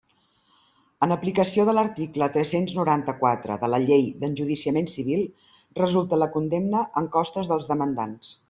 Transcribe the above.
En aplicació de l'article tres-cents noranta-quatre de la Llei d'Enjudiciament Civil, resulta la condemna en costes dels demandants.